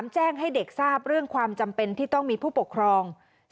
แจ้งให้เด็กทราบเรื่องความจำเป็นที่ต้องมีผู้ปกครอง